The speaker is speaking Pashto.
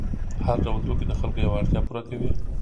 هر ډول توکي د خلکو یوه اړتیا پوره کوي.